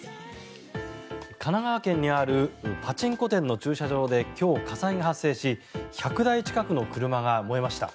神奈川県にあるパチンコ店の駐車場で今日、火災が発生し１００台近くの車が燃えました。